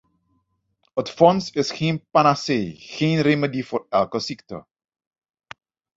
Het fonds is geen panacee, geen remedie voor elke ziekte.